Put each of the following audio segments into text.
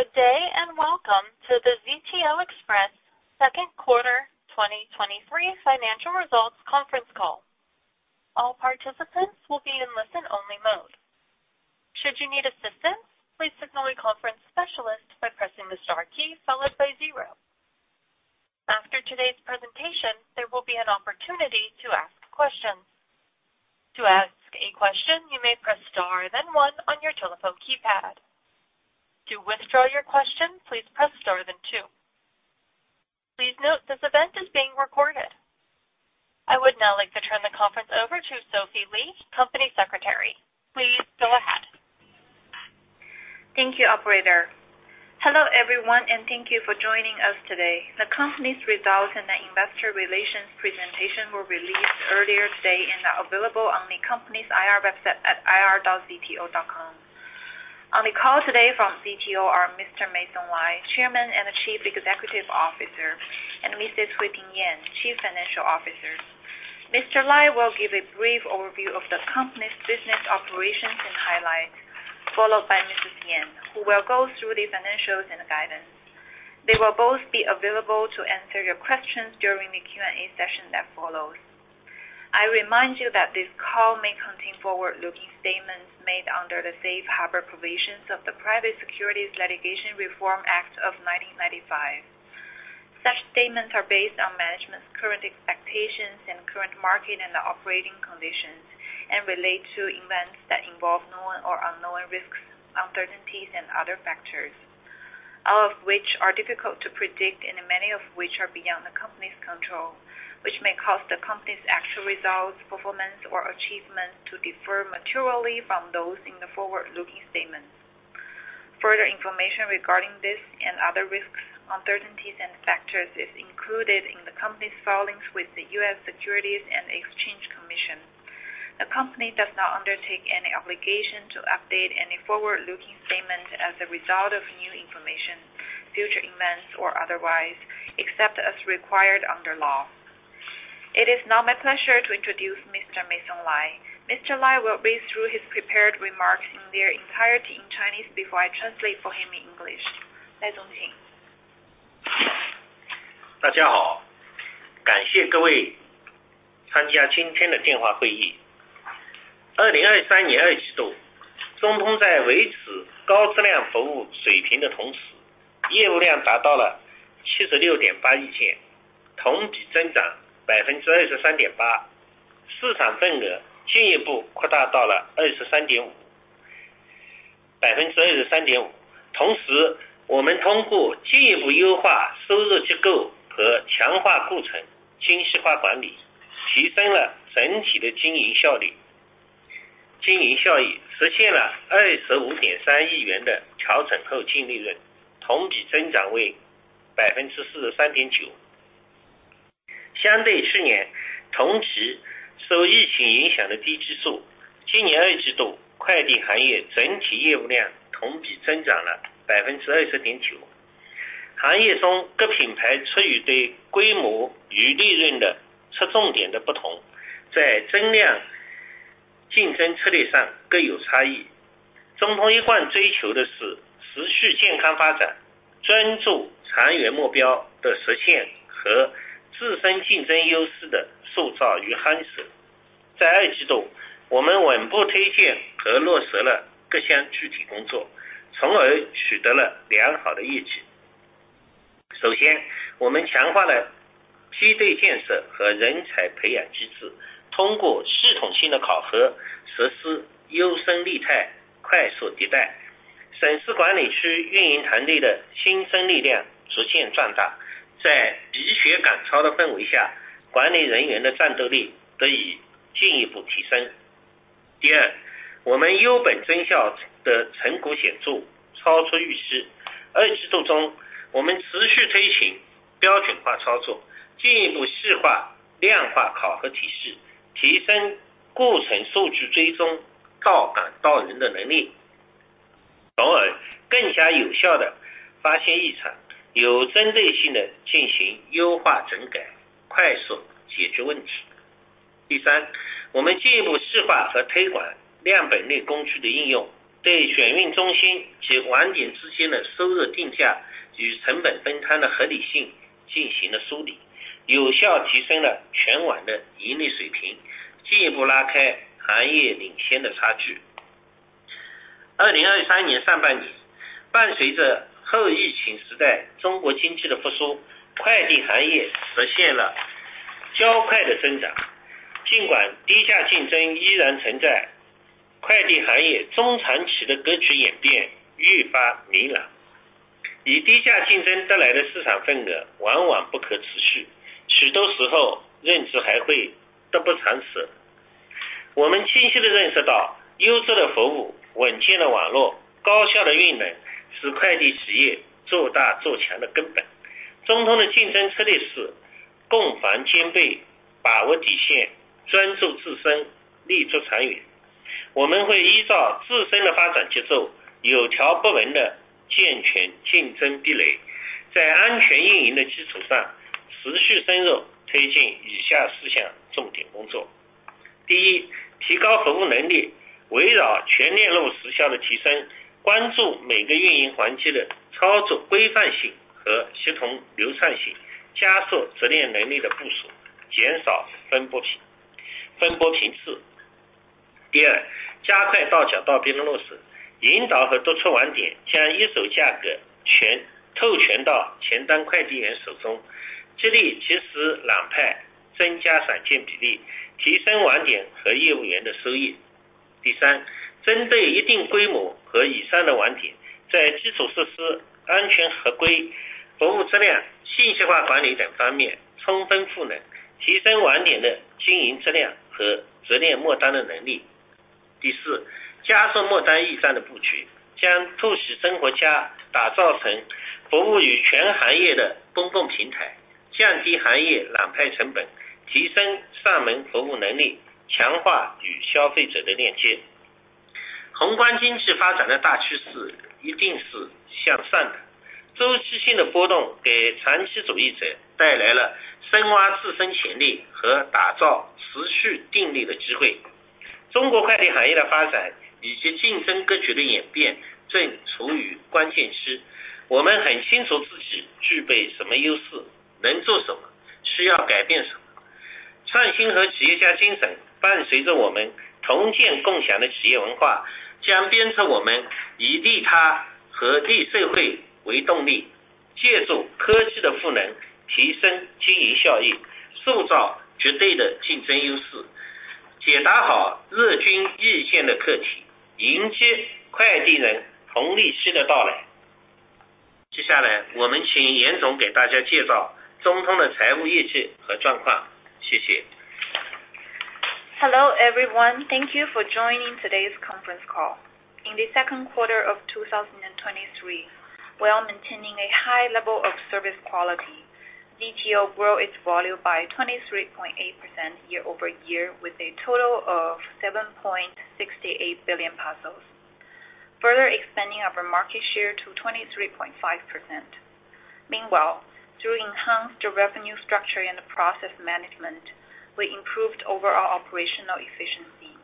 Good day and welcome to the ZTO Express second quarter 2023 financial results conference call. All participants will be in listen-only mode. Should you need assistance, please signal a conference specialist by pressing the star key followed by zero. After today's presentation, there will be an opportunity to ask questions. To ask a question, you may press star then one on your telephone keypad. To withdraw your question, please press star then two. Please note this event is being recorded. I would now like to turn the conference over to Sophie Li, Company Secretary. Please go ahead. Thank you operator. Hello everyone, and thank you for joining us today! The company's results and the investor relations presentation were released earlier today and are available on the company's IR website at ir.zto.com. On the call today from ZTO are Mr. Meisong Lai, Chairman and Chief Executive Officer, and Mrs. Huiping Yan, Chief Financial Officer. Mr. Lai will give a brief overview of the company's business operations and highlights, followed by Mrs. Yan, who will go through the financials and guidance. They will both be available to answer your questions during the Q&A session that follows. I remind you that this call may contain forward-looking statements made under the safe harbor provisions of the Private Securities Litigation Reform Act of 1995. Such statements are based on management's current expectations and current market and operating conditions, and relate to events that involve known or unknown risks, uncertainties and other factors, all of which are difficult to predict and many of which are beyond the company's control, which may cause the company's actual results, performance or achievements to differ materially from those in the forward-looking statements. Further information regarding this and other risks, uncertainties, and factors is included in the company's filings with the U.S. Securities and Exchange Commission. The Company does not undertake any obligation to update any forward-looking statements as a result of new information, future events, or otherwise, except as required under law. It is now my pleasure to introduce Mr. Meisong Lai. Mr. Lai will read through his prepared remarks in their entirety in Chinese before I translate for him in English. 赖总请。Hello, everyone. Thank you for attending today's conference call. In 2023 Q2, ZTO, while maintaining high-quality service levels, achieved business volume of 7.68 billion pieces, a 23.8% year-over-year increase. Market share further expanded to 23.5% to 23.5%. At the same time, we further optimized revenue structure and strengthened process refinement management, thereby improving overall operating efficiency. Operating benefits realized CNY 2.53 billion in Adjusted Net Income, a 43.9% year-over-year increase. Relative to the low base affected by the COVID-19 epidemic in the same period last year, the express delivery industry's overall business volume in this year's Q2 increased 20.9% year-over-year. Among industry brands, due to differing emphasis on scale versus profit, there are differences in incremental competition strategies. What ZTO has consistently pursued is continuous healthy development, focusing on realization of long-term goals and shaping and consolidation of our own competitive advantages. In Q2, we steadily advanced and implemented various specific tasks, thereby achieving good performance. First, we strengthened team construction and talent cultivation mechanisms. Through systematic assessments, we implemented survival of the fittest and rapid iteration. New talent in provincial and municipal management district operation teams is gradually growing stronger. Under an atmosphere of emulation, learning, catching up, and surpassing, management personnel's combat effectiveness has been further elevated. Second, results from our cost optimization and efficiency enhancement were significant, exceeding expectations. In Q2, we continued implementing standardized operations, further refined the quantitative assessment system, and enhanced process data tracking and accountability capabilities, thereby more effectively identifying anomalies, conducting targeted optimizations and rectifications, and rapidly resolving problems. Third, we further deepened and promoted application of volume-cost-profit tools, combed through the rationality of revenue pricing and cost allocation between sorting and transportation centers and outlets, effectively elevating full-network profitability levels, and further widening the industry-leading gap. In the first half of 2023, accompanying recovery of China's economy in the post-COVID-19 era, the express delivery industry achieved relatively rapid growth. Although low-price competition still exists, long-term pattern evolution in the express delivery industry is becoming increasingly clear. Market share brought by low-price competition is often unsustainable; many times, such perceptions do not last long. We clearly recognize that high-quality service, stable networks, and efficient operations are the fundamentals for express delivery enterprises to grow big and strong. ZTO's competition strategy is offense and defense in balance, grasping the bottom line, focusing on ourselves, and positioning for the long term. We will proceed according to our own development rhythm, methodically strengthening competitive barriers. On the foundation of safe operations, we will continuously and deeply advance the following four key tasks.... Hello everyone, thank you for joining today's conference call. In the second quarter of 2023, while maintaining a high level of service quality, ZTO grew its volume by 23.8% year-over-year with a total of 7.68 billion parcels, further expanding our market share to 23.5%. Meanwhile, through enhanced revenue structure and process management, we improved overall operational efficiency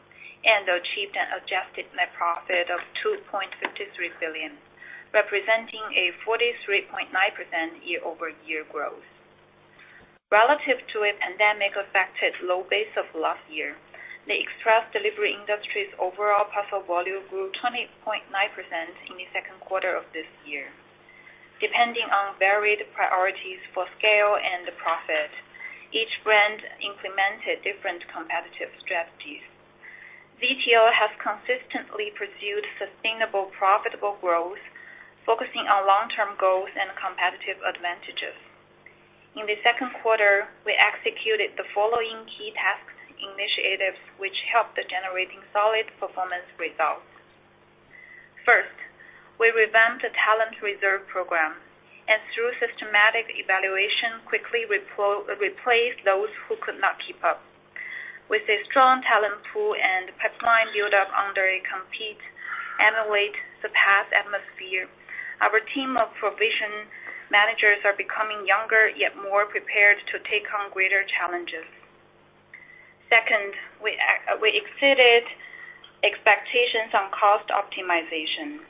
and achieved an adjusted net profit of 2.53 billion, representing a 43.9% year-over-year growth. Relative to a pandemic-affected low base of last year, the express delivery industry's overall parcel volume grew 20.9% in the second quarter of this year. Depending on varied priorities for scale and profit, each brand implemented different competitive strategies. ZTO has consistently pursued sustainable, profitable growth, focusing on long-term goals and competitive advantages. In the second quarter, we executed the following key tasks initiatives, which helped the generating solid performance results. First, we revamped the talent reserve program, and through systematic evaluation, quickly replaced those who could not keep up. With a strong talent pool and pipeline build up under a compete, emulate, surpass atmosphere, our team of provision managers are becoming younger, yet more prepared to take on greater challenges. Second, we exceeded expectations on cost optimization.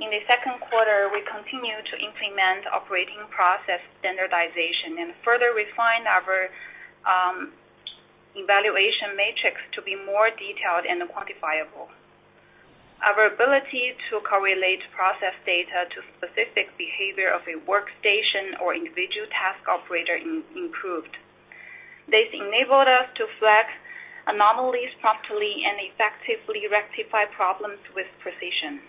In the second quarter, we continued to implement operating process standardization and further refine our evaluation matrix to be more detailed and quantifiable. Our ability to correlate process data to specific behavior of a workstation or individual task operator improved. This enabled us to flag anomalies promptly and effectively rectify problems with precision.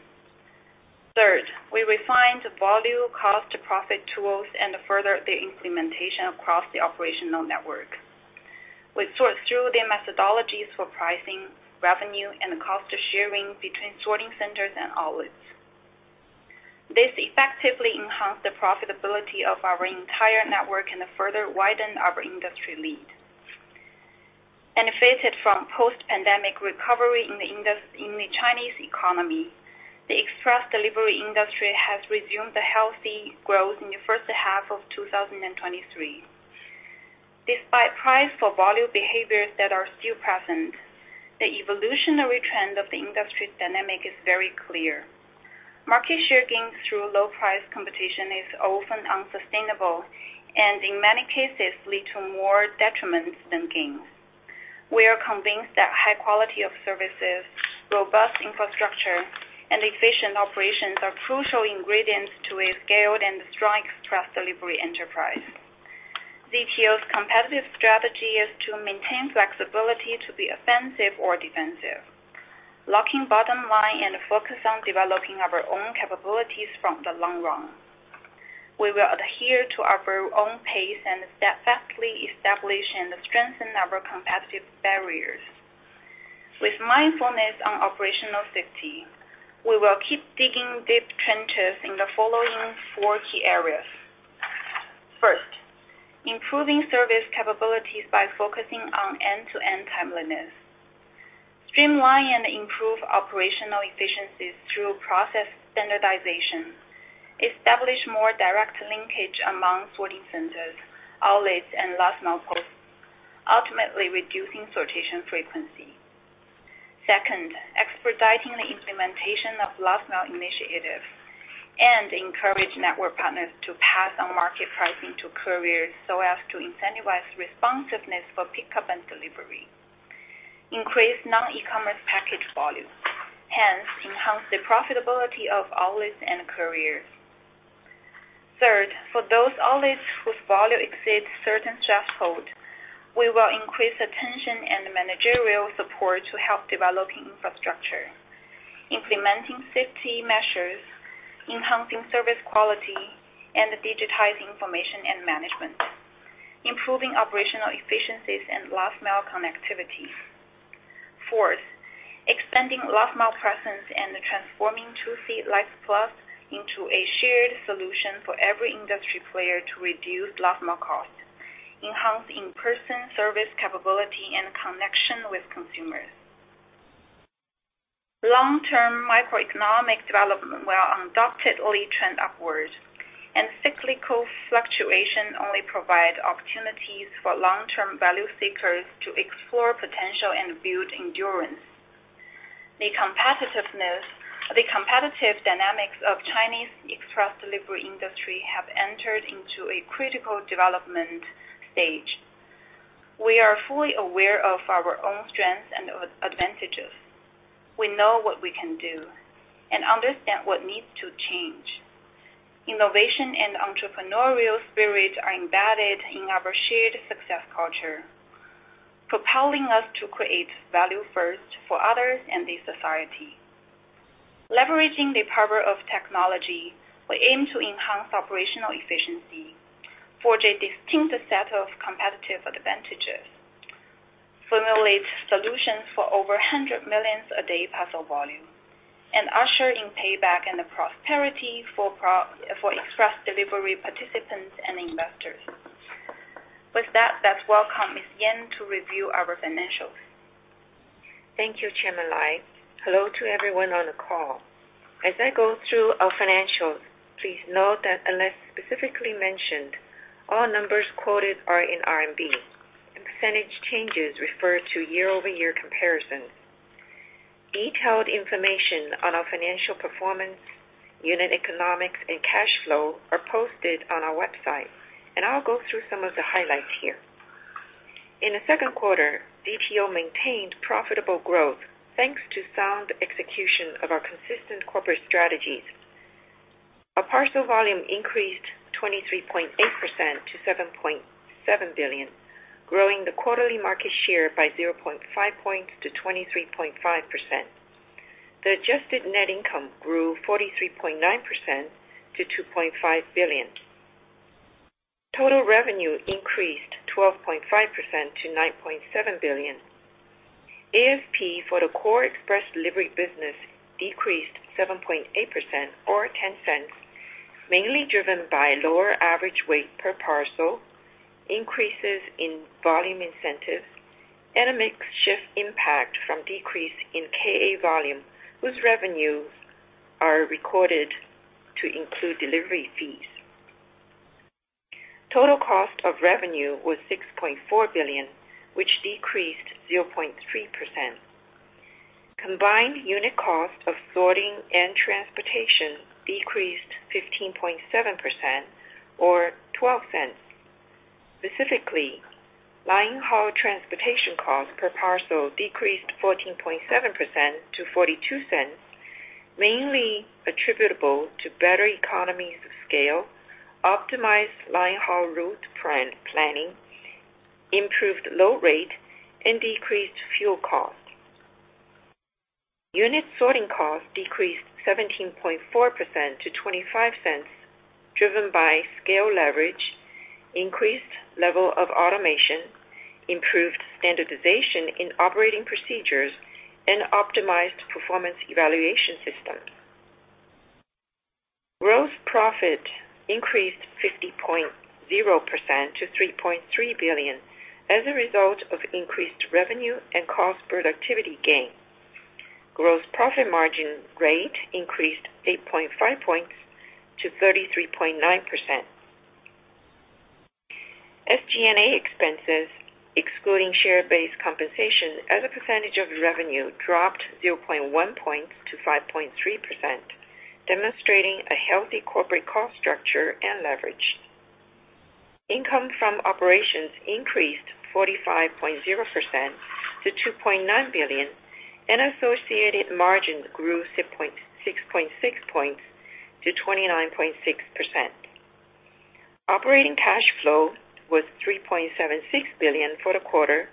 Third, we refined the value cost to profit tools and further the implementation across the operational network. We sort through the methodologies for pricing, revenue, and the cost of sharing between sorting centers and outlets. This effectively enhanced the profitability of our entire network and further widened our industry lead. Benefited from post-pandemic recovery in the industry, in the Chinese economy, the express delivery industry has resumed a healthy growth in the first half of 2023. Despite price-for-volume behaviors that are still present, the evolutionary trend of the industry dynamic is very clear. Market share gains through low price competition is often unsustainable and in many cases lead to more detriments than gains. We are convinced that high quality of services, robust infrastructure, and efficient operations are crucial ingredients to a scaled and strong express delivery enterprise. ZTO's competitive strategy is to maintain flexibility to be offensive or defensive, locking bottom line and focus on developing our own capabilities from the long run. We will adhere to our very own pace and steadfastly establish and strengthen our competitive barriers. With mindfulness on operational safety, we will keep digging deep trenches in the following four key areas. First, improving service capabilities by focusing on end-to-end timeliness, streamline and improve operational efficiencies through process standardization, establish more direct linkage among sorting centers, outlets, and last-mile posts, ultimately reducing sortation frequency. Second, expediting the implementation of last-mile initiatives and encourage network partners to pass on market pricing to couriers so as to incentivize responsiveness for pickup and delivery, increase non-e-commerce package volume, hence enhance the profitability of outlets and couriers. Third, for those outlets whose volume exceeds certain threshold, we will increase attention and managerial support to help developing infrastructure, implementing safety measures, enhancing service quality, and digitizing information and management, improving operational efficiencies and last-mile connectivity. Fourth, expanding last-mile presence and transforming Tuxi Life Plus into a shared solution for every industry player to reduce last-mile costs, enhance in-person service capability and connection with consumers. Long-term microeconomic development will undoubtedly trend upward, and cyclical fluctuation only provide opportunities for long-term value seekers to explore potential and build endurance. The competitiveness, the competitive dynamics of Chinese express delivery industry have entered into a critical development stage. We are fully aware of our own strengths and advantages. We know what we can do and understand what needs to change. Innovation and entrepreneurial spirit are embedded in our shared success culture, propelling us to create value first for others and the society. Leveraging the power of technology, we aim to enhance operational efficiency, forge a distinct set of competitive advantages, formulate solutions for over 100 million a day parcel volume, and usher in payback and the prosperity for express delivery participants and investors. With that, let's welcome Ms. Yan to review our financials. Thank you, Chairman Lai. Hello to everyone on the call. As I go through our financials, please note that unless specifically mentioned, all numbers quoted are in RMB, and percentage changes refer to year-over-year comparison. Detailed information on our financial performance, unit economics, and cash flow are posted on our website, and I'll go through some of the highlights here. In the second quarter, ZTO maintained profitable growth, thanks to sound execution of our consistent corporate strategies. Our parcel volume increased 23.8% to 7.7 billion, growing the quarterly market share by 0.5 points to 23.5%. The adjusted net income grew 43.9% to 2.5 billion. Total revenue increased 12.5% to 9.7 billion. ASP for the core express delivery business decreased 7.8% or $0.10, mainly driven by lower average weight per parcel, increases in volume incentives, and a mix shift impact from decrease in KA volume, whose revenue are recorded to include delivery fees. Total cost of revenue was 6.4 billion, which decreased 0.3%. Combined unit cost of sorting and transportation decreased 15.7% or $0.12. Specifically, line-haul transportation cost per parcel decreased 14.7% to $0.42, mainly attributable to better economies of scale, optimized line-haul route planning, improved load rate, and decreased fuel costs. Unit sorting costs decreased 17.4% to $0.25, driven by scale leverage, increased level of automation, improved standardization in operating procedures, and optimized performance evaluation system. Gross profit increased 50.0% to 3.3 billion as a result of increased revenue and cost productivity gain. Gross profit margin rate increased 8.5 points to 33.9%. SG&A expenses, excluding share-based compensation as a percentage of revenue, dropped 0.1 point to 5.3%, demonstrating a healthy corporate cost structure and leverage. Income from operations increased 45.0% to 2.9 billion, and associated margins grew 6.6 points to 29.6%. Operating cash flow was 3.76 billion for the quarter,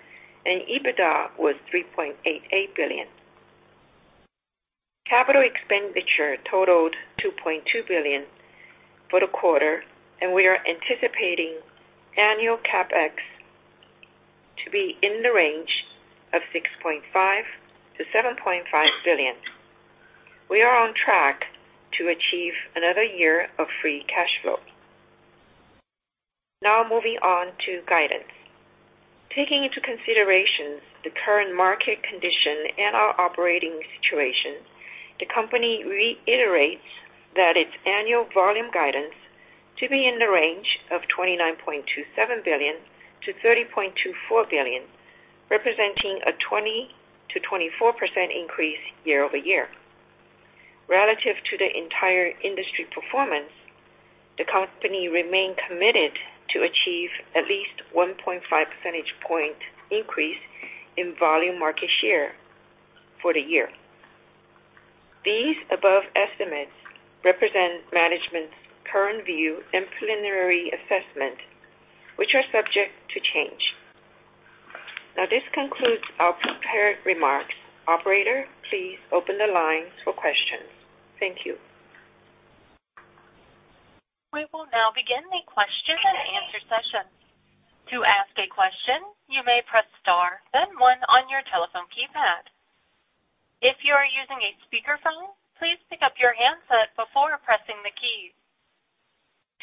and EBITDA was 3.8 billion. Capital expenditure totaled 2.2 billion for the quarter, and we are anticipating annual CapEx to be in the range of 6.5 billion-7.5 billion. We are on track to achieve another year of free cash flow. Now moving on to guidance. Taking into consideration the current market condition and our operating situation, the company reiterates that its annual volume guidance to be in the range of 29.27 billion to 30.24 billion, representing a 20% to 24% increase year-over-year. Relative to the entire industry performance, the company remain committed to achieve at least 1.5 percentage point increase in volume market share for the year. These above estimates represent management's current view and preliminary assessment, which are subject to change. Now, this concludes our prepared remarks. Operator, please open the lines for questions. Thank you. We will now begin the question and answer session. To ask a question, you may press star, then one on your telephone keypad. If you are using a speakerphone, please pick up your handset before pressing the keys.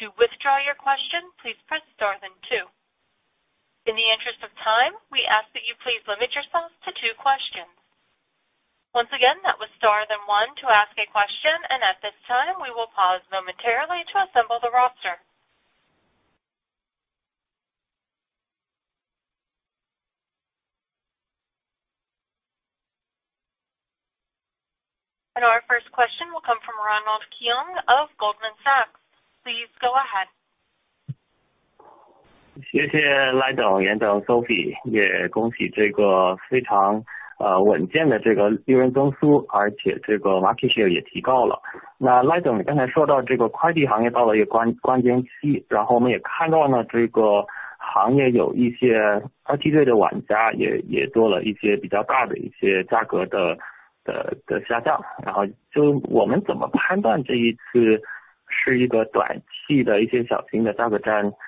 To withdraw your question, please press star then two. In the interest of time, we ask that you please limit yourself to two questions. Once again, that was star then one to ask a question, and at this time we will pause momentarily to assemble the roster. And our first question will come from Ronald Keung of Goldman Sachs. Please go ahead. 谢谢赖总、严总、Sophie，也恭喜这个非常稳健的利润增速，而且这个market share也提高了。那赖总你刚才说到这个快递行业到了一个关键期，然后我们也看到了这个行业有一些二梯队的玩家也做了一些比较大的价格下降，然后我们怎么判断这一次是一个短期的有一些小型的价格战，小玩家拿份额，是一个短期的还是一个会再长期一些的？然后我们怎么看进入四季度这个，这一次的双十一peak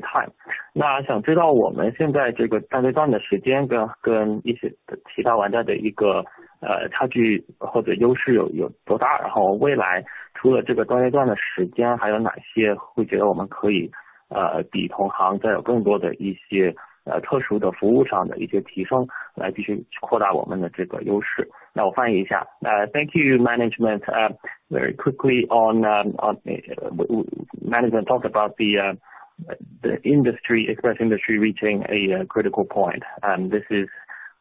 time。那想知道我们现在这个端对端的时间跟一些其他玩家的一个差距或者优势有多大，然后未来除了这个端对端的时间，还有哪些会觉得我们可以比同行再有更多的这些特殊的服务的这些提升来继续扩大我们的这个优势。那我翻译一下。Thank you management, very quickly on... Management talk about the express industry reaching a critical point.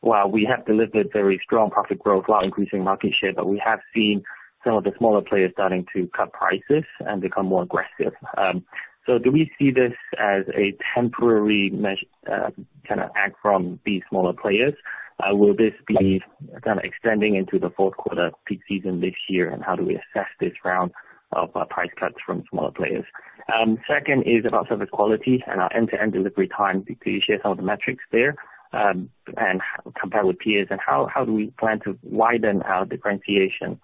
Well, we have delivered very strong profit growth while increasing market share, but we have seen some of the smaller players starting to cut prices and become more aggressive. So do we see this as a temporary measure, kind of act from these smaller players? Will this be kind of extending into the fourth quarter peak season this year? And how do we assess this round of price cuts from smaller players? Second is about service quality and our end-to-end delivery time. Could you share some of the metrics there, and compare with peers, and how do we plan to widen our differentiation?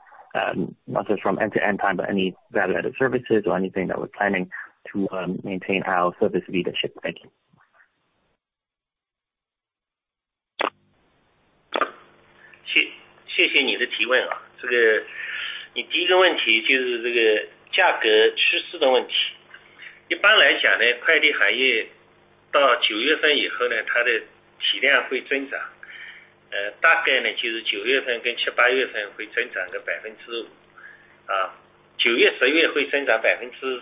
Not just from end-to-end time, but any value-added services or anything that we're planning to maintain our service leadership. Thank you. 谢谢你的提问啊。这个你的第一个问题就是这个价格趋势的问题。一般来讲呢，快递行业到九月份以后呢，它的体量会增长，大概呢，就是九月份跟七八月份会增长个5%，啊，九月、十月会增长百分之...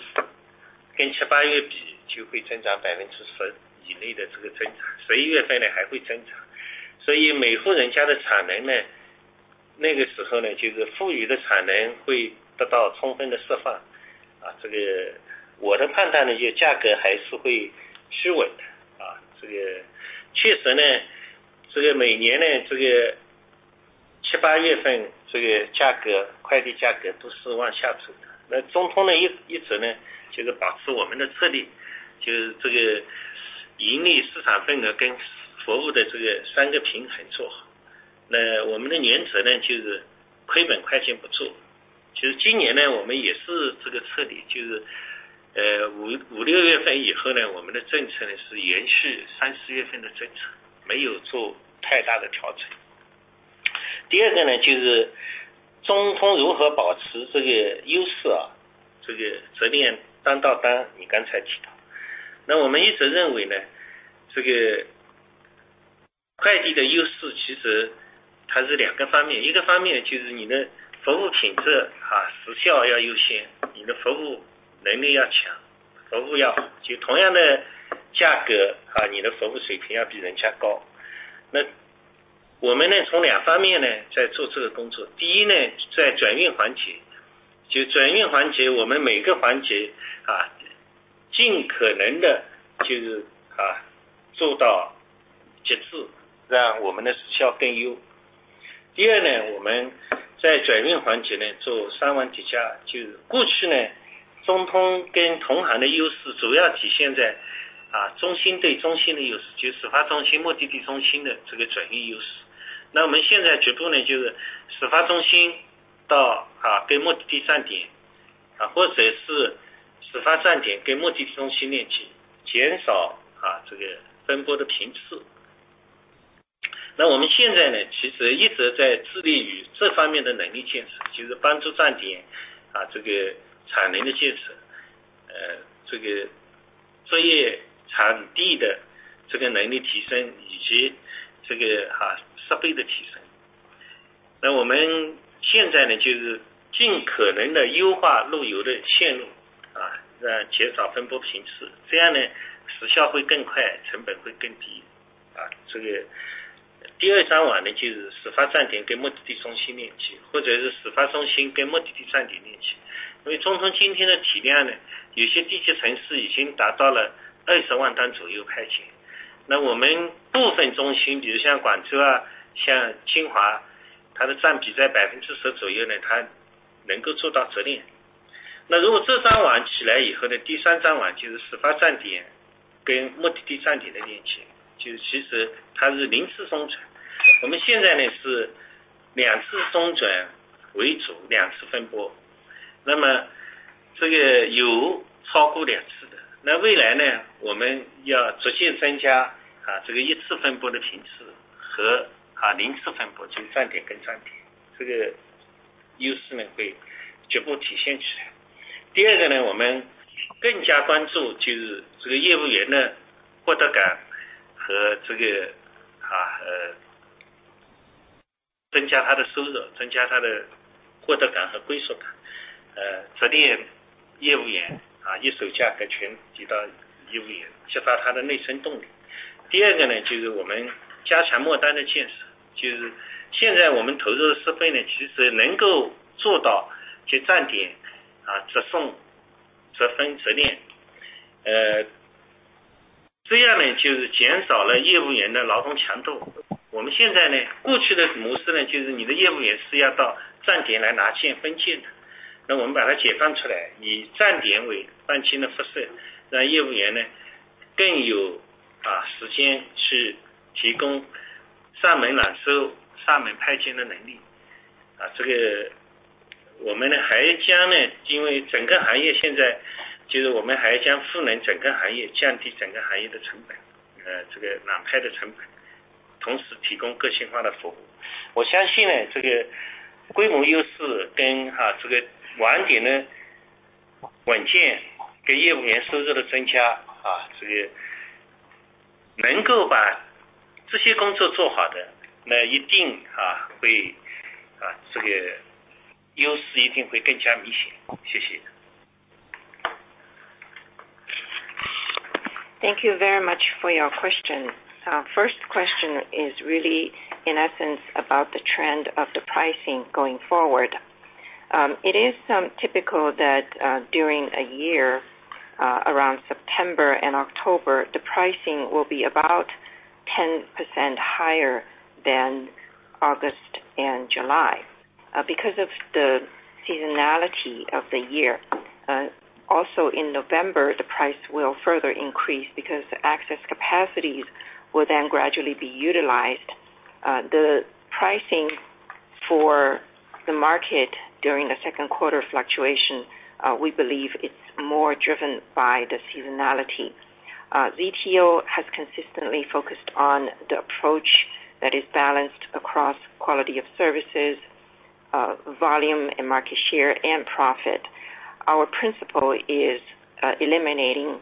Thank you very much for your question. First question is really in essence about the trend of the pricing going forward. It is some typical that during a year, around September and October, the pricing will be about 10% higher than August and July. Because of the seasonality of the year, also in November, the price will further increase because the access capacities will then gradually be utilized. The pricing for the market during the second quarter fluctuation, we believe it's more driven by the seasonality. ZTO has consistently focused on the approach that is balanced across quality of services, volume and market share and profit. Our principle is, eliminating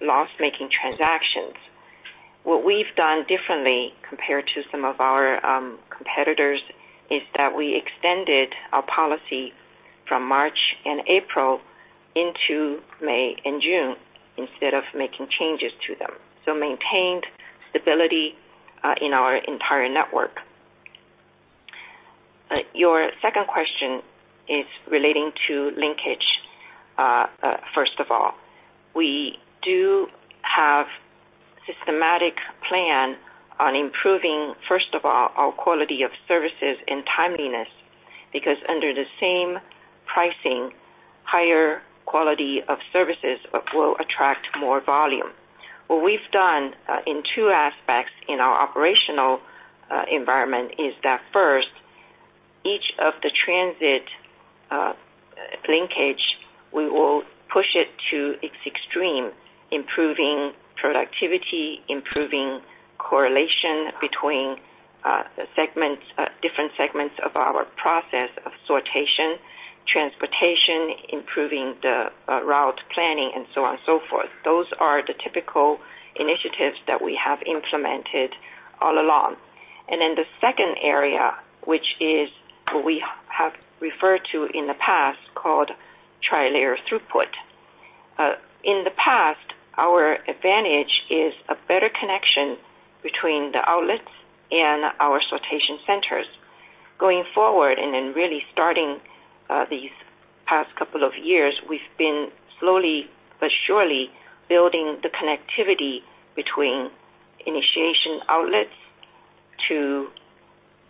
loss making transactions. What we've done differently compared to some of our, competitors, is that we extended our policy from March and April into May and June, instead of making changes to them, so maintained stability, in our entire network. Your second question is relating to linkage. First of all, we do have systematic plan on improving, first of all, our quality of services and timeliness, because under the same pricing, higher quality of services will attract more volume. What we've done in two aspects in our operational environment is that first, each of the transit linkage, we will push it to its extreme, improving productivity, improving correlation between segments, different segments of our process of sortation, transportation, improving the route planning, and so on and so forth. Those are the typical initiatives that we have implemented all along. And then the second area, which is we have referred to in the past, called tri-layer throughput. In the past, our advantage is a better connection between the outlets and our sortation centers. Going forward, and then really starting, these-... Couple of years, we've been slowly but surely building the connectivity between origination outlets to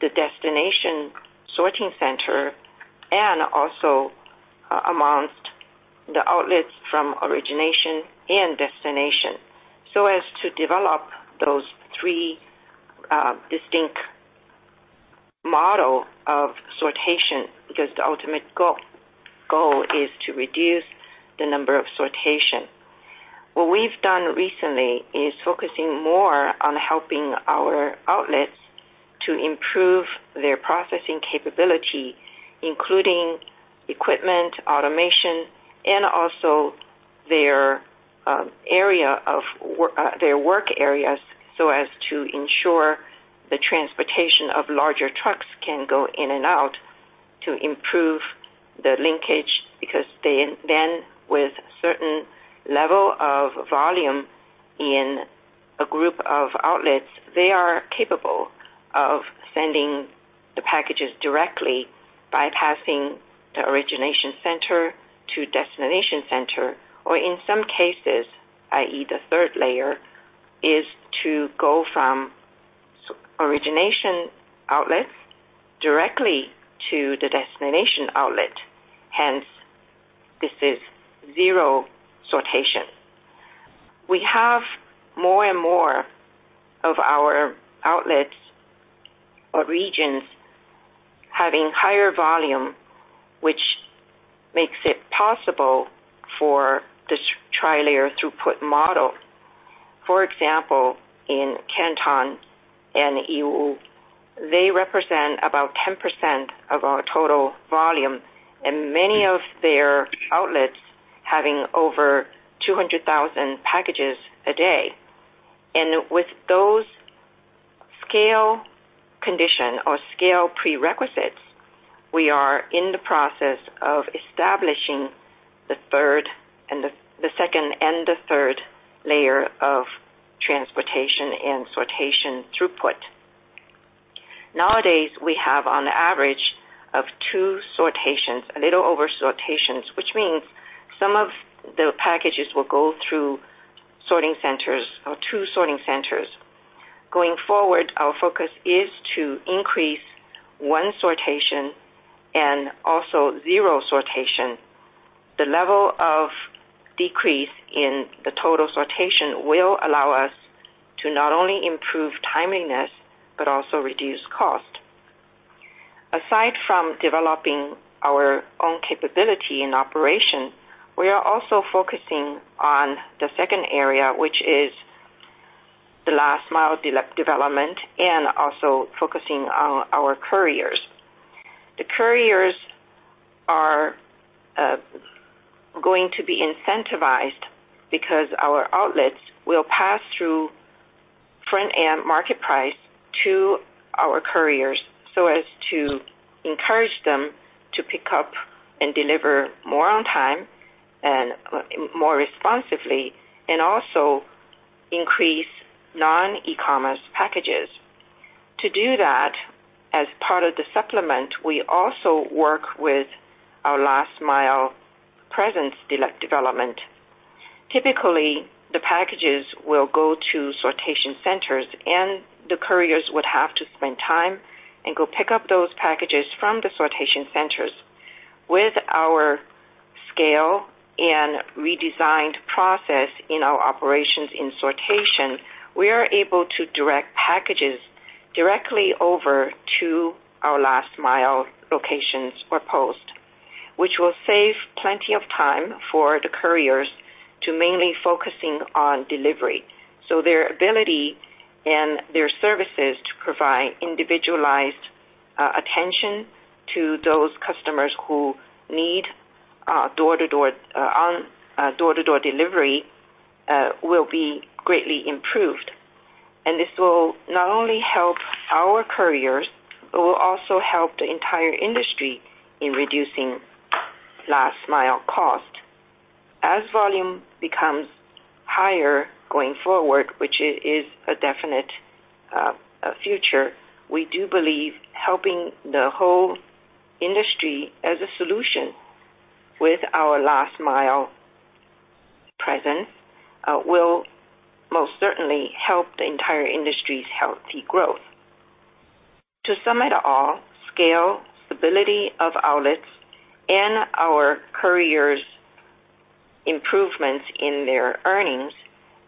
the destination sorting center and also, among the outlets from origination and destination, so as to develop those three, distinct model of sortation, because the ultimate goal is to reduce the number of sortation. What we've done recently is fo cusing more on helping our outlets to improve their processing capability, including equipment, automation, and also their, area of work, their work areas, so as to ensure the transportation of larger trucks can go in and out to improve the linkage, because they then, with certain level of volume in a group of outlets, they are capable of sending the packages directly, bypassing the origination center to destination center, or in some cases, i.e., the third layer, is to go from origination outlet directly to the destination outlet. Hence, this is zero sortation. We have more and more of our outlets or regions having higher volume, which makes it possible for the Tri-layer Throughput Model. For example, in Canton and Yiwu, they represent about 10% of our total volume, and many of their outlets having over 200,000 packages a day. With those scale condition or scale prerequisites, we are in the process of establishing the second and the third layer of transportation and sortation throughput. Nowadays, we have on average of two sortations, a little over sortations, which means some of the packages will go through sorting centers or two sorting centers. Going forward, our focus is to increase one sortation and also zero sortation. The level of decrease in the total sortation will allow us to not only improve timeliness, but also reduce cost. Aside from developing our own capability and operation, we are also focusing on the second area, which is the last-mile development and also focusing on our couriers. The couriers are going to be incentivized because our outlets will pass through front-end market price to our couriers so as to encourage them to pick up and deliver more on time and more responsively, and also increase non-e-commerce packages. To do that, as part of the supplement, we also work with our last-mile presence development. Typically, the packages will go to sortation centers, and the couriers would have to spend time and go pick up those packages from the sortation centers. With our scale and redesigned process in our operations in sortation, we are able to direct packages directly over to our last-mile locations or post, which will save plenty of time for the couriers to mainly focusing on delivery. So their ability and their services to provide individualized attention to those customers who need door-to-door on door-to-door delivery will be greatly improved. And this will not only help our couriers, but will also help the entire industry in reducing last-mile cost. As volume becomes higher going forward, which is a definite future, we do believe helping the whole industry as a solution with our last-mile presence will most certainly help the entire industry's healthy growth. To sum it all, scale, stability of outlets, and our couriers' improvements in their earnings,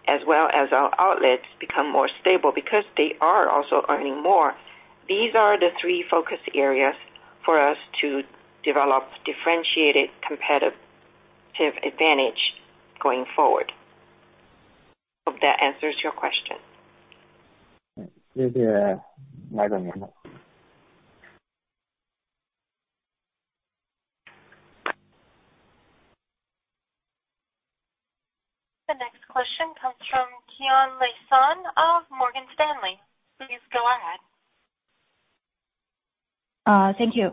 as well as our outlets become more stable because they are also earning more. These are the three focus areas for us to develop differentiated, competitive advantage going forward. Hope that answers your question. Thank you.... Thank you,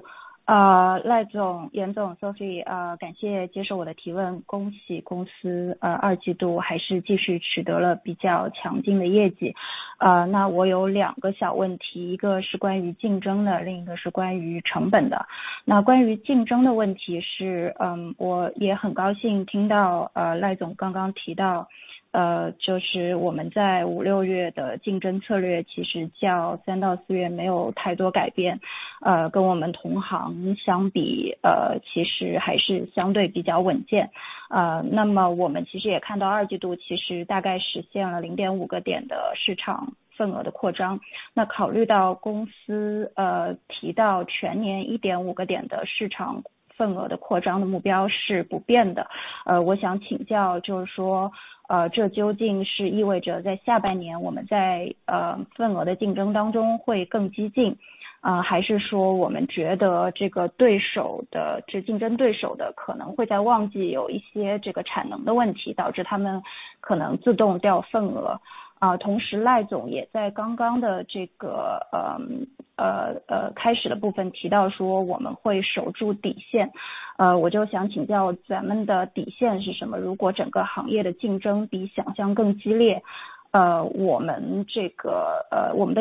feel this opponent's, this competition opponent's possibly will in peak season have some this capacity problem, cause them possibly automatically drop share. At the same time Meisong Lai also in just now this beginning part mentioned we will hold the bottom line. I just want to ask our bottom line is what? If entire industry competition than imagine more intense, our this, our bottom line exactly is share or profit? If in these two certainly have some trade-offs. This is the first question, then the second question is about costs, that is we see actually second quarter cost decline still very significant, far higher than we in last conference mentioned roughly 5 to 7 points of cost decline. Want to ask management, outlook a bit second half year a cost trend, as well as this next year and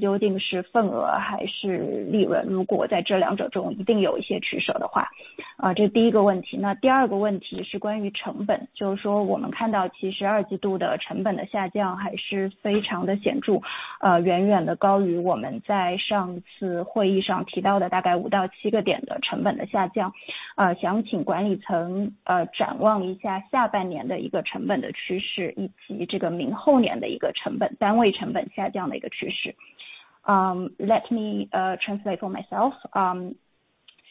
year after a cost, unit cost decline a trend. Let me translate for myself.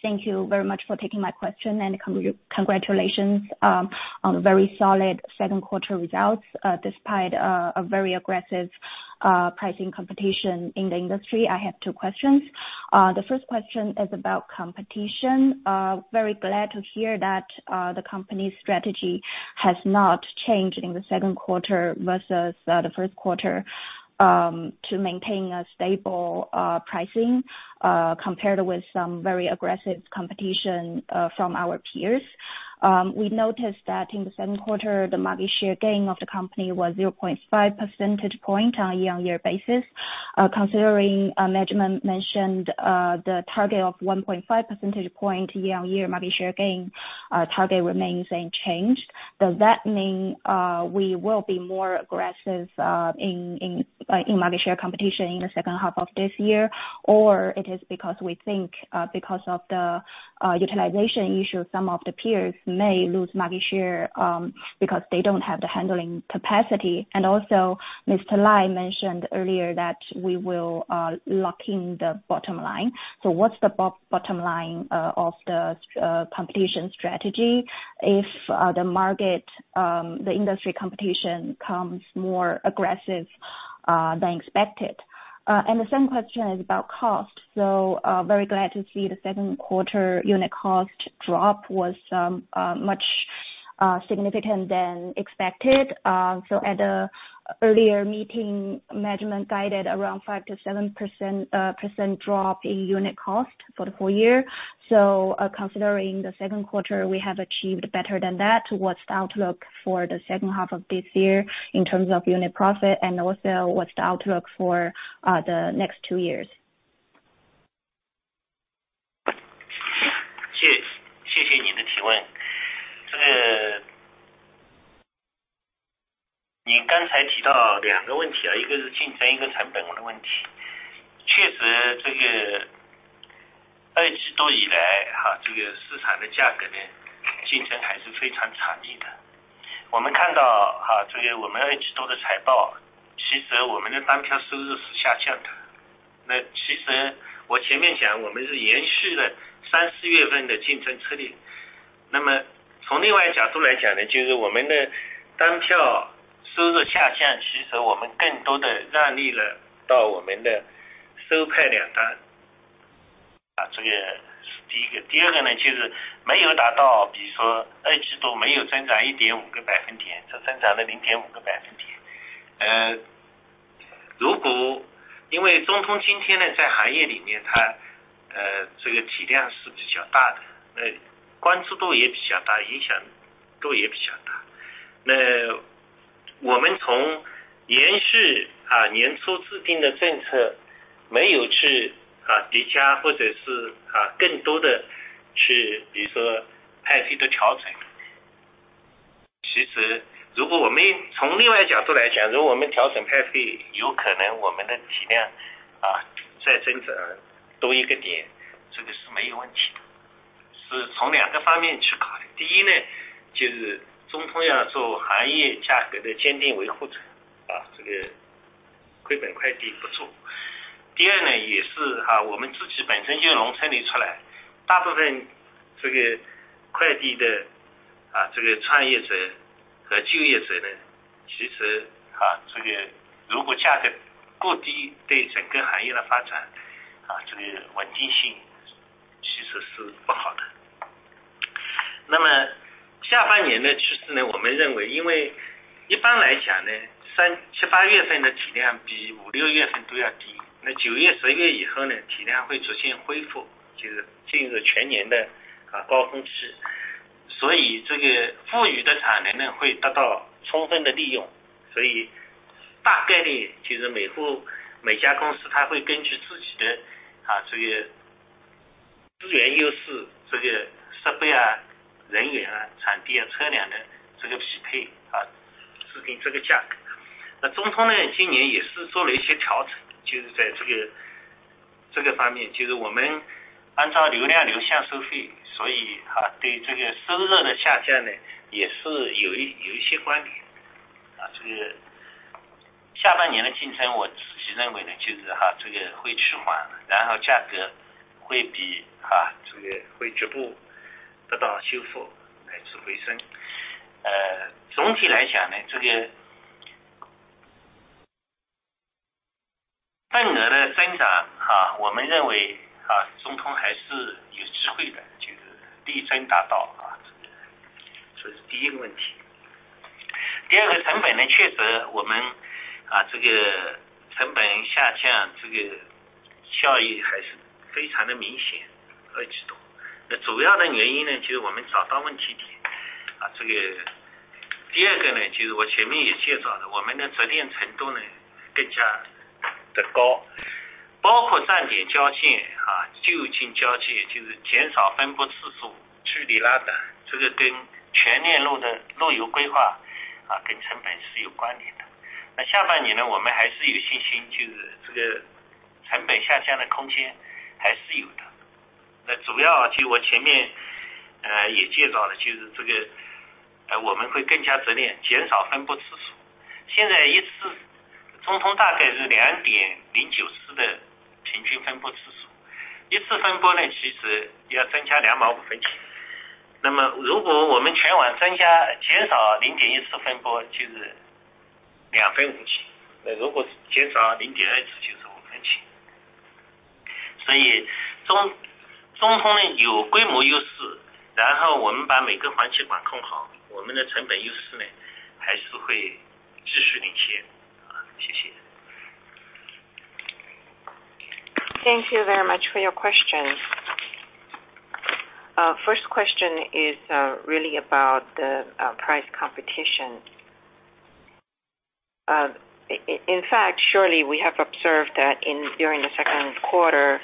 Thank you very much for taking my question, and congratulations on very solid second quarter results, despite a very aggressive pricing competition in the industry. I have two questions. The first question is about competition. Very glad to hear that the company's strategy has not changed in the second quarter versus the first quarter to maintain a stable pricing compared with some very aggressive competition from our peers. We noticed that in the second quarter, the market share gain of the company was 0.5 percentage point on a year-on-year basis. Considering a management mentioned the target of 1.5 percentage point year-on-year market share gain, our target remains unchanged. Does that mean we will be more aggressive in market share competition in the second half of this year? Or it is because we think, because of the utilization issue, some of the peers may lose market share, because they don't have the handling capacity. And also, Mr. Lai mentioned earlier that we will lock in the bottom line. So what's the bottom line of the competition strategy? If the market, the industry competition becomes more aggressive than expected. And the second question is about cost. So, very glad to see the second quarter unit cost drop was much significant than expected. So at the earlier meeting, management guided around 5% to 7% drop in unit cost for the full year. So, considering the second quarter, we have achieved better than that. What's the outlook for the second half of this year in terms of unit profit? Also, what's the outlook for the next two years? 0.25。那么如果我们全网减少0.1次分拨，就是CNY 0.02。那如果是减少0.2次，就是CNY 0.05。所以中通呢有规模优势，然后我们把每个环节管控好，我们的成本优势呢，还是会继续领先。谢谢。Thank you very much for your questions. First question is really about the price competition. In fact, surely we have observed that in during the second quarter,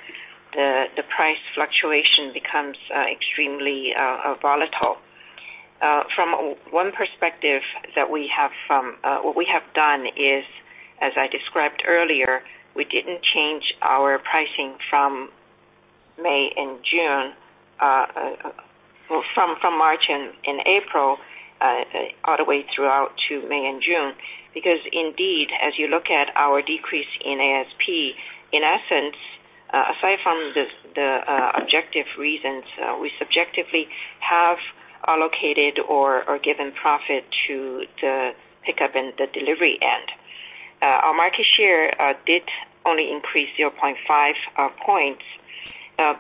the price fluctuation becomes extremely volatile. From one perspective that we have from what we have done is, as I described earlier, we didn't change our pricing from May and June, well, from March and April, all the way throughout to May and June. Because indeed, as you look at our decrease in ASP, in essence, aside from the objective reasons, we subjectively have allocated or given profit to the pickup and the delivery end. Our market share did only increase 0.5 points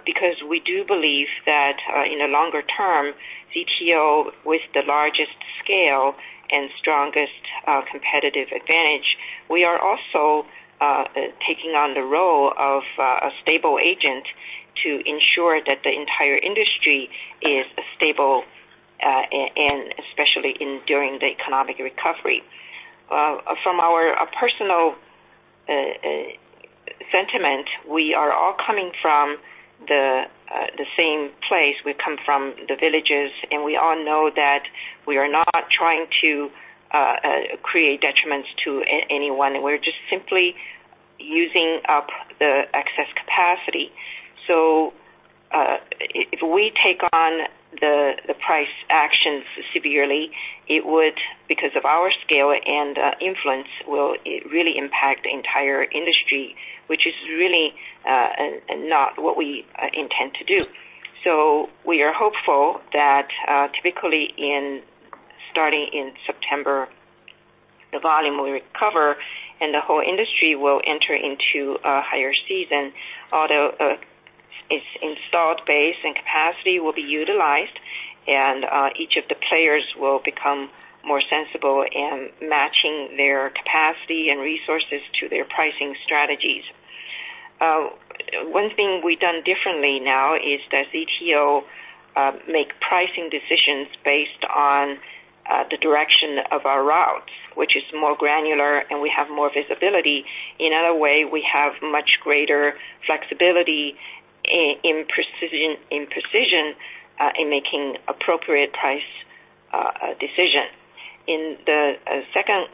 because we do believe that in the longer term, ZTO with the largest scale and strongest competitive advantage, we are also taking on the role of a stable agent to ensure that the entire industry is stable, and especially during the economic recovery. From our personal sentiment, we are all coming from the same place. We come from the villages, and we all know that we are not trying to create detriments to anyone. We're just simply using up the excess capacity. So, if we take on the price actions severely, it would, because of our scale and influence, will it really impact the entire industry, which is really not what we intend to do. So we are hopeful that, typically starting in September, the volume will recover and the whole industry will enter into a higher season. Although, its installed base and capacity will be utilized, and, each of the players will become more sensible in matching their capacity and resources to their pricing strategies. One thing we've done differently now is that ZTO make pricing decisions based on the direction of our routes, which is more granular and we have more visibility. In other way, we have much greater flexibility in precision, in precision, in making appropriate price decision. In the second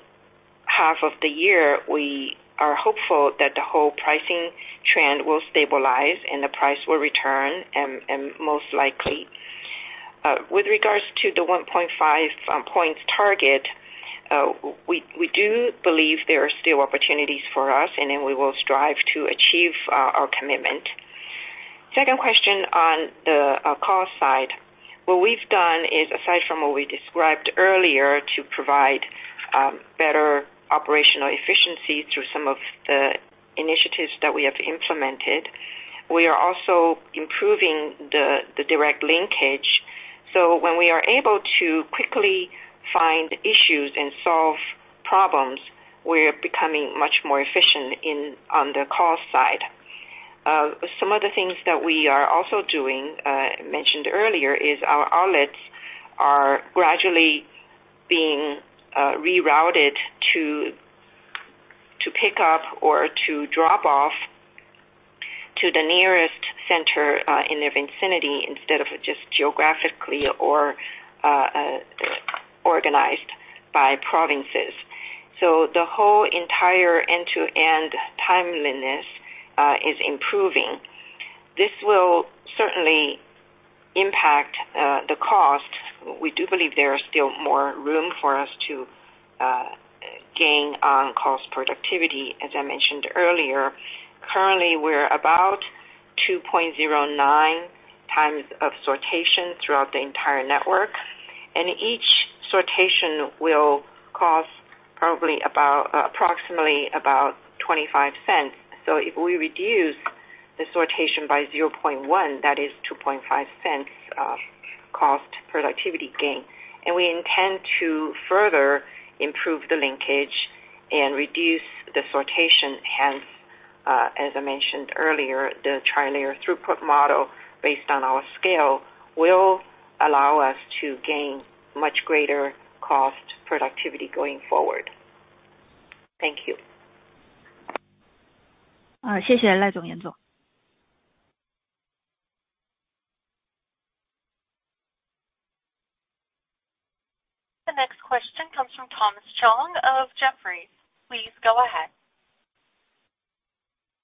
half of the year, we are hopeful that the whole pricing trend will stabilize and the price will return, most likely. With regards to the 1.5 points target, we do believe there are still opportunities for us, and then we will strive to achieve our commitment. Second question on the cost side. What we've done is, aside from what we described earlier, to provide better-... Operational efficiency through some of the initiatives that we have implemented. We are also improving the direct linkage, so when we are able to quickly find issues and solve problems, we are becoming much more efficient on the cost side. Some of the things that we are also doing, mentioned earlier is our outlets are gradually being rerouted to pick up or to drop off to the nearest center in their vicinity, instead of just geographically or organized by provinces. So the whole entire end-to-end timeliness is improving. This will certainly impact the cost. We do believe there are still more room for us to gain on cost productivity. As I mentioned earlier, currently we're about 2.09 times of sortation throughout the entire network, and each sortation will cost probably about approximately about $0.25. So if we reduce the sortation by 0.1, that is $0.025 of cost productivity gain, and we intend to further improve the linkage and reduce the sortation. Hence, as I mentioned earlier, the Tri-layer Throughput Model based on our scale, will allow us to gain much greater cost productivity going forward. Thank you. Thank you, Mr. Lai, Mr. Yan. The next question comes from Thomas Chong of Jefferies. Please go ahead.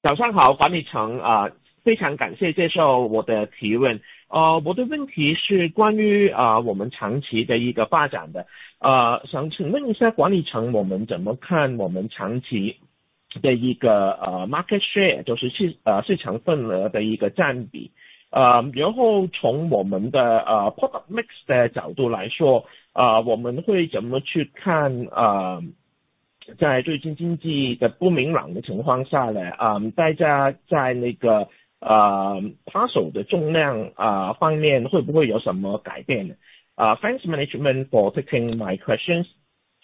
早上好，管理层，非常感谢接受我的提问。我的问题是关于我们长期的一个发展的。想请问一下管理层，我们怎么看我们长期的一个 market share，就是七，市场份额的一个占比。然后从我们的 product mix 的角度来说，我们会怎么去看，在最近经济的不明朗的情况下，大家在那个 parcel 的重量方面会不会有什么改变？ Thanks management for taking my questions.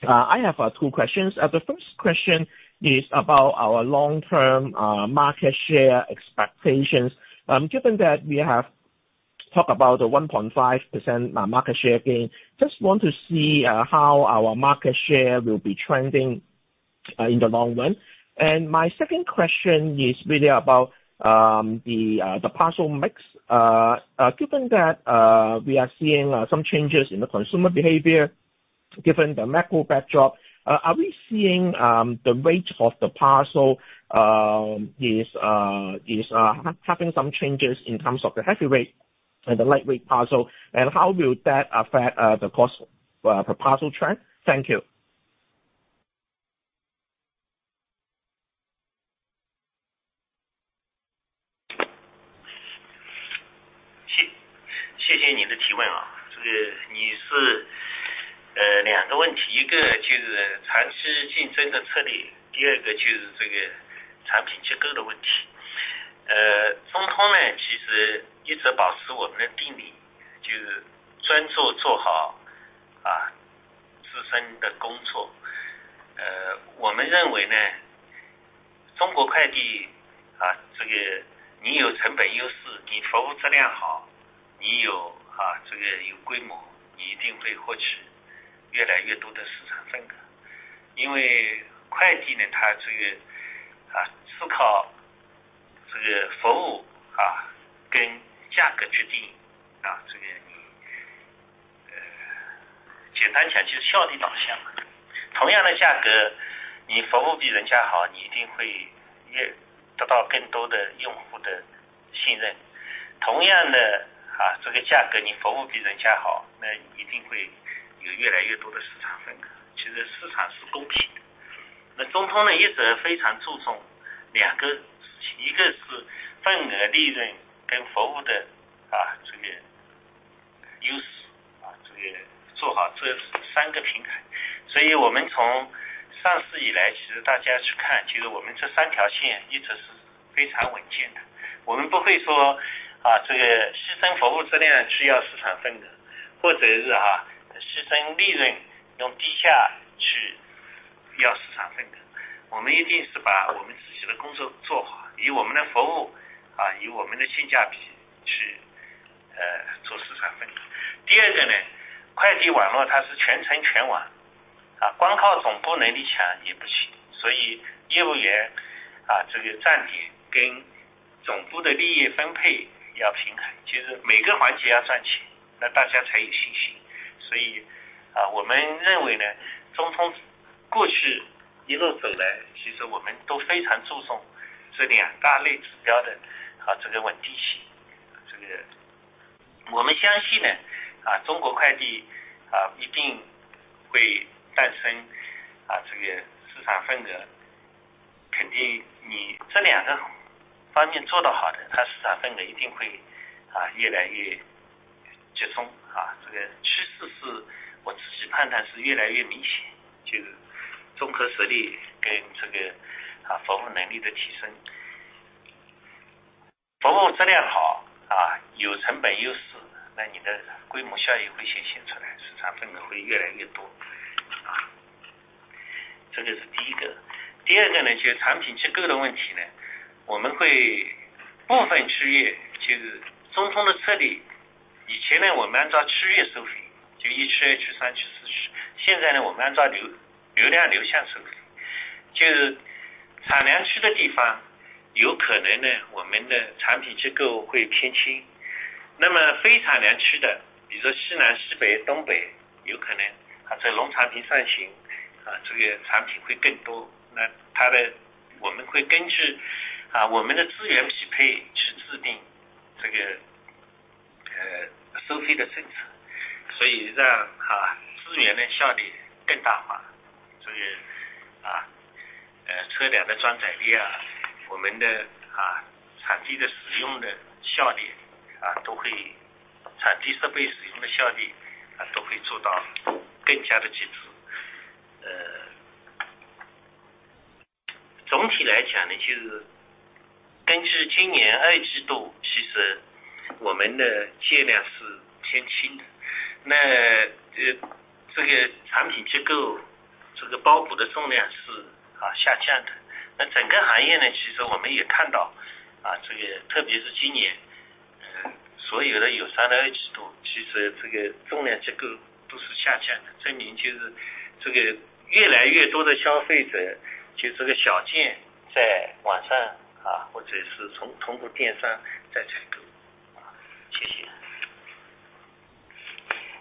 I have two questions. The first question is about our long term market share expectations. Given that we have talked about the 1.5% market share gain, just want to see how our market share will be trending in the long run. My second question is really about the parcel mix. Given that we are seeing some changes in the consumer behavior, given the macro backdrop, are we seeing the weight of the parcel is having some changes in terms of the heavy weight and the light weight parcel? How will that affect the cost parcel trend? Thank you. 谢谢，谢谢你的提问啊，这个你是...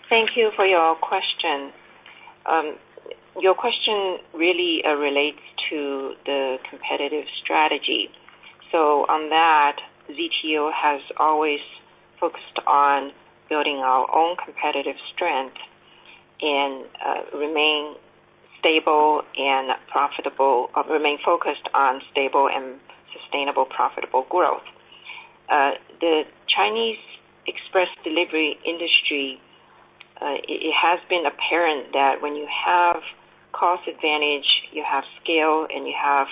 Thank you for your question. Your question really relates to the competitive strategy. So on that, ZTO has always focused on building our own competitive strength and, remain stable and profitable, or remain focused on stable and sustainable, profitable growth. The Chinese express delivery industry, it has been apparent that when you have cost advantage, you have scale, and you have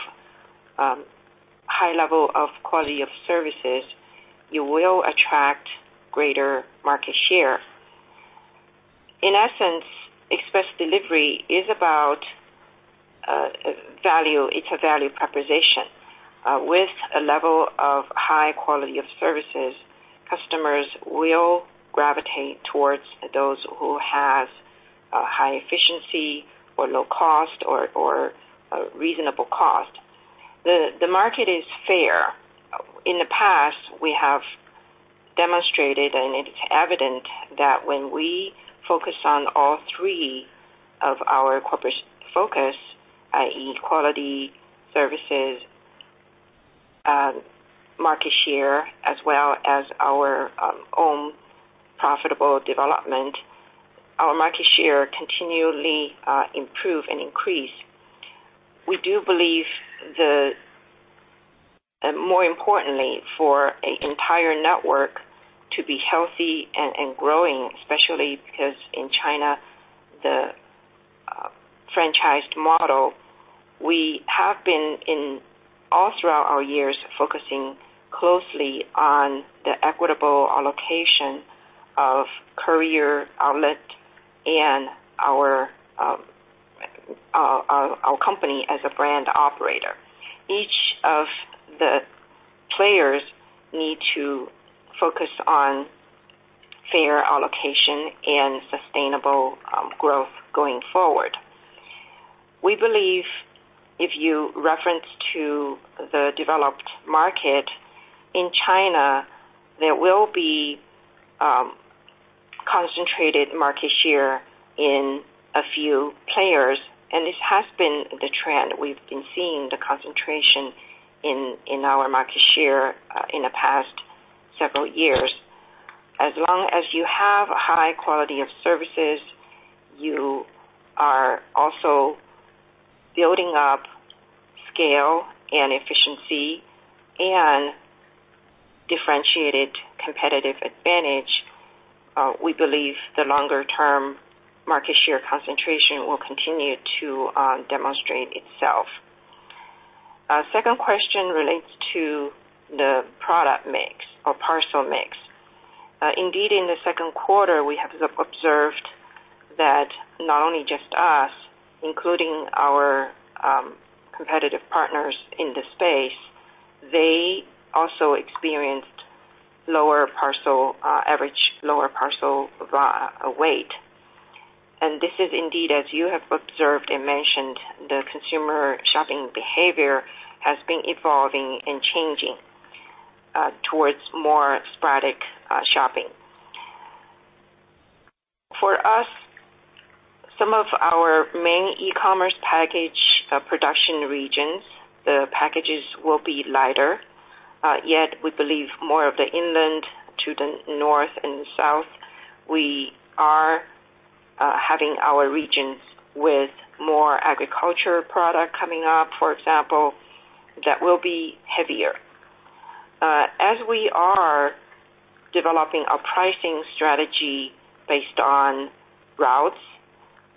high level of quality of services, you will attract greater market share. In essence, express delivery is about value. It's a value proposition. With a level of high quality of services, customers will gravitate towards those who have a high efficiency, or low cost, or a reasonable cost. The market is fair. In the past, we have demonstrated, and it's evident, that when we focus on all three of our corporate focus, i.e., quality, services, market share, as well as our own profitable development, our market share continually improve and increase. We do believe, more importantly, for an entire network to be healthy and growing, especially because in China, the franchised model we have been in all throughout our years, focusing closely on the equitable allocation of courier, outlet, and our company as a brand operator. Each of the players need to focus on fair allocation and sustainable growth going forward. We believe if you reference to the developed market in China, there will be concentrated market share in a few players, and this has been the trend. We've been seeing the concentration in our market share in the past several years. As long as you have a high quality of services, you are also building up scale and efficiency and differentiated competitive advantage, we believe the longer-term market share concentration will continue to demonstrate itself. Second question relates to the product mix or parcel mix. Indeed, in the second quarter, we have observed that not only just us, including our competitive partners in the space, they also experienced lower parcel average, lower parcel weight. And this is indeed, as you have observed and mentioned, the consumer shopping behavior has been evolving and changing towards more sporadic shopping. For us, some of our main e-commerce package production regions, the packages will be lighter, yet we believe more of the inland to the north and south, having our regions with more agriculture product coming up, for example, that will be heavier. As we are developing a pricing strategy based on routes,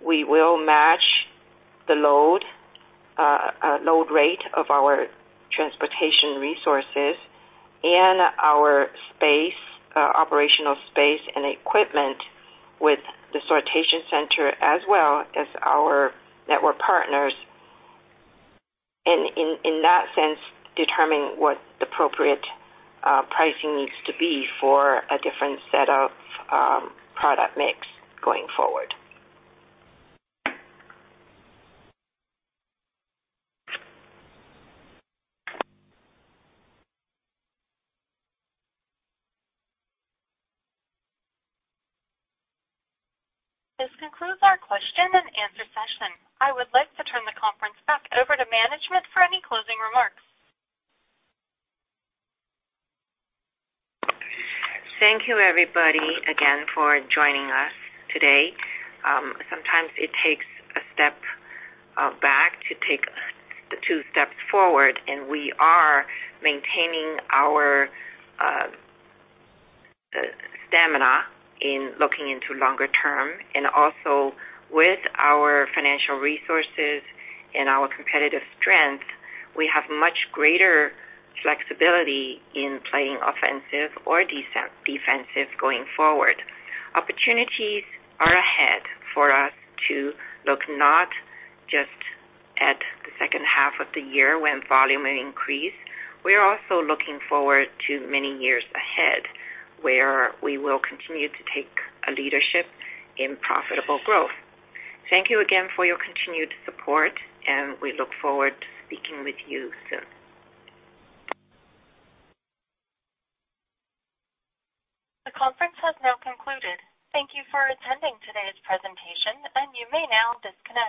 we will match the load rate of our transportation resources and our space operational space and equipment with the sortation center, as well as our network partners, and in that sense, determine what the appropriate pricing needs to be for a different set of product mix going forward. This concludes our question and answer session. I would like to turn the conference back over to management for any closing remarks. Thank you, everybody, again, for joining us today. Sometimes it takes a step back to take the two steps forward, and we are maintaining our stamina in looking into longer term, and also with our financial resources and our competitive strength, we have much greater flexibility in playing offensive or defensive going forward. Opportunities are ahead for us to look not just at the second half of the year, when volume will increase. We are also looking forward to many years ahead, where we will continue to take a leadership in profitable growth. Thank you again for your continued support, and we look forward to speaking with you soon. The conference has now concluded. Thank you for attending today's presentation, and you may now disconnect.